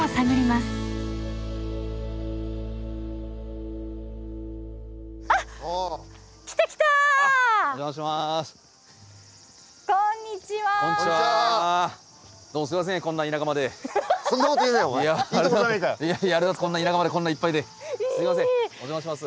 すいませんお邪魔します。